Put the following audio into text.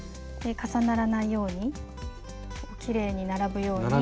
重ならないようにきれいに並ぶように。